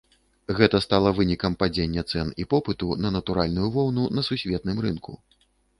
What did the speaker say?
Гэта стала вынікам падзення цэн і попыту на натуральную воўну на сусветным рынку.